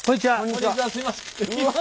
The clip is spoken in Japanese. こんにちはすいません。